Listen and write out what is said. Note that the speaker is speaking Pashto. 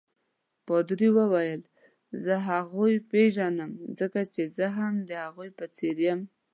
پادري وویل: زه هغوی پیژنم ځکه چې زه هم د هغوی په څېر یم.